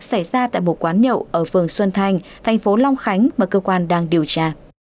xảy ra tại một quán nhậu ở phường xuân thành thành phố long khánh mà cơ quan đang điều tra